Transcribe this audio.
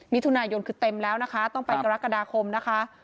มิถุนายนคือเต็มแล้วนะคะต้องไปกรกฎาคมนะคะ